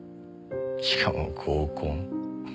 しかも合コン。